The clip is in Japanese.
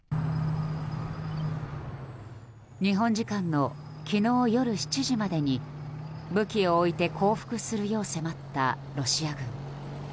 日本時間の昨日夜７時までに武器を置いて降伏するよう迫ったロシア軍。